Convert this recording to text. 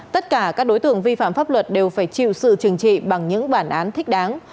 tất cả các đối tượng vi phạm pháp luật đều phải chịu sự trừng trị bằng những bản án thích đáng